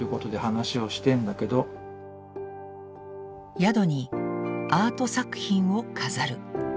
宿にアート作品を飾る。